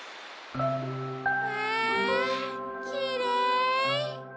わきれい。